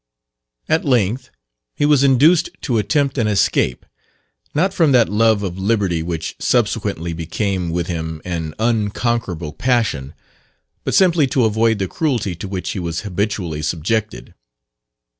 At length he was induced to attempt an escape, not from that love of liberty which subsequently became with him an unconquerable passion, but simply to avoid the cruelty to which he was habitually subjected.